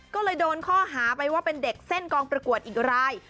ก็เลยโดนข้อหาไปว่าเป็นเด็กเส้นกองประกวดอีกราย